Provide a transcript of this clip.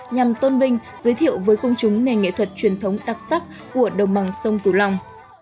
nhằm tôn vinh giới thiệu với công chúng nền nghệ thuật truyền thống đặc sắc của đồng bằng sông cửu long